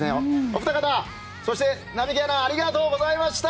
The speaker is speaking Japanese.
お二方そして並木アナありがとうございました！